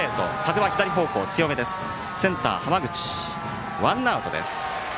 センター、浜口つかんでワンアウトです。